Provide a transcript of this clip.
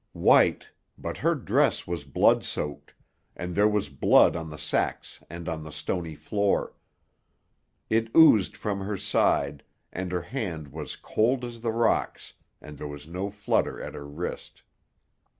White but her dress was blood soaked, and there was blood on the sacks and on the stony floor. It oozed from her side, and her hand was cold as the rocks, and there was no flutter at her wrist.